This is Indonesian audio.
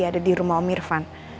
ada dirumah om irfan